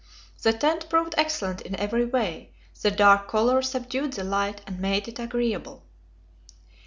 The tent proved excellent in every way; the dark colour subdued the light, and made it agreeable.